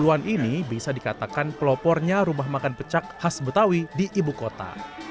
keluhan ini bisa dikatakan pelopornya rumah makan pecak khas betawi di ibu kota